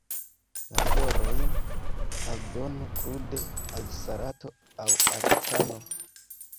La florojn aldonu krude al salato aŭ al pano.